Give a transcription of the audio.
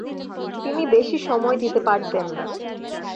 তিনি বেশি সময় দিতে পারতেন না।